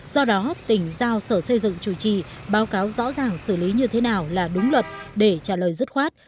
do đó tỉnh giao sở xây dựng chủ trì báo cáo rõ ràng xử lý như thế nào là đúng luật để trả lời dứt khoát